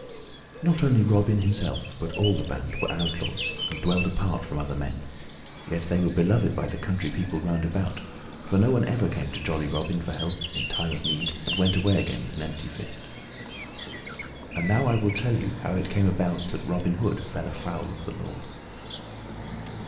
Not only Robin himself but all the band were outlaws and dwelled apart from other men, yet they were beloved by the country people round about, for no one ever came to jolly Robin for help in time of need and went away again with an empty fist. And now I will tell how it came about that Robin Hood fell afoul of the law.